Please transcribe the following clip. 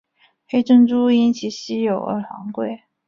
黑珍珠因其稀有而昂贵。